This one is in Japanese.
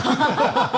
ハハハハ！